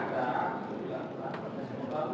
itu juga pak